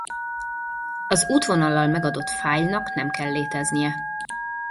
Az útvonallal megadott fájlnak nem kell léteznie.